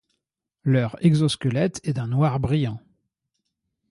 Leur exosquelette est d'un noir brillant.